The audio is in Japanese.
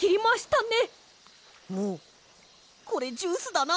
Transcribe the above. もうこれジュースだな。